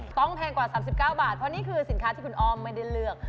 แพงกว่า๓๙บาทเพราะนี่คือสินค้าที่คุณอ้อมไม่ได้เลือก